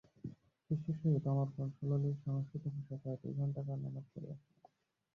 শিষ্যের সহিত অনর্গল সুললিত সংস্কৃত ভাষায় প্রায় দু-ঘণ্টা কাল আলাপ করিয়াছিলেন।